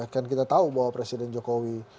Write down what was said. kan kita tahu bahwa presiden jokowi